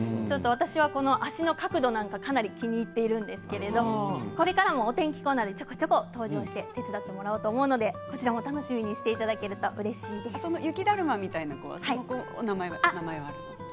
私は足の角度とか気に入っているんですけれどこれからもお天気コーナーでちょこちょこ登場して手伝ってもらおうと思いますので楽しみにしていただけると雪だるまみたいな子は？